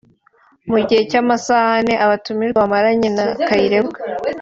Mu gihe cy’amasaha ane abatumirwa bamaranye na Kayirebwa